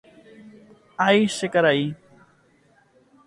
Ái che karai